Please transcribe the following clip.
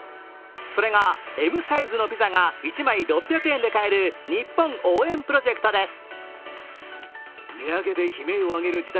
それが、Ｍサイズのピザが１枚６００円で買えるニッポン応援プロジェクトです。